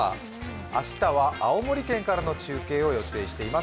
明日は青森県からの中継を予定しています。